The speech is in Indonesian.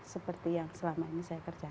seperti yang selama ini saya kerjakan